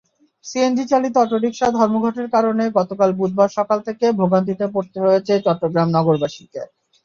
সিএনজিচালিত autorickshaw ধর্মঘটের কারণে গতকাল বুধবার সকাল থেকে ভোগান্তিতে পড়তে হয়েছে চট্টগ্রাম নগরবাসীকে।